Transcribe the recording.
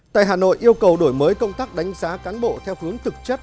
tại hà nội yêu cầu đổi mới công tác đánh giá cán bộ theo hướng thực chất